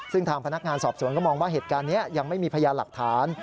ซึ่งทางพนักงานสอบสวนก็มองว่าเหตุการณ์นี้ยังไม่มีพยานหลักฐาน